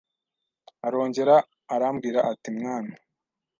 Arongera arambwira ati mwana